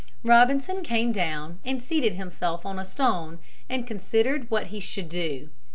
Robinson came down and seated himself on a stone and considered what he should do.